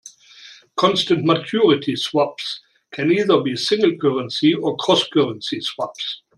Constant maturity swaps can either be single currency or cross currency swaps.